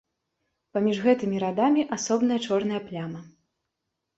Паміж гэтымі радамі асобная чорная пляма.